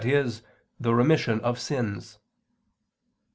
e. the remission of sins."